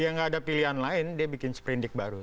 ya nggak ada pilihan lain dia bikin sprindik baru